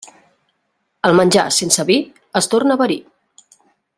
El menjar sense vi es torna verí.